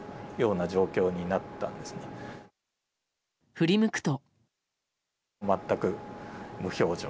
振り向くと。